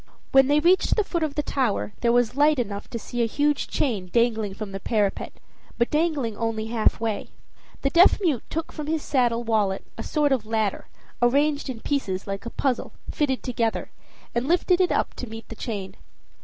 When they reached the foot of the tower, there was light enough to see a huge chain dangling from the parapet, but dangling only halfway. The deaf mute took from his saddle wallet a sort of ladder, arranged in pieces like a puzzle, fitted it together, and lifted it up to meet the chain.